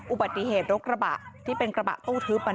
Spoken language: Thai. อุบัติเหตุรถกระบะที่เป็นกระบะตู้ทึบ